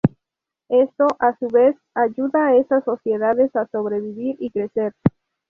Esto, a su vez, ayuda a esas sociedades a sobrevivir y crecer.